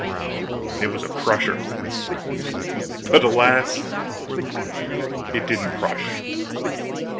It was a crusher. But, alas! it didn't crush.